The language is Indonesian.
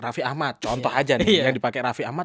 raffi ahmad contoh aja nih yang dipakai raffi ahmad